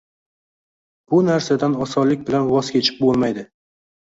Bu nrsadan osonlik bilan voz kechib bo’lmaydi.